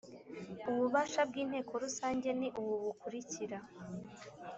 ububasha bw inteko rusange ni ubu bukurikira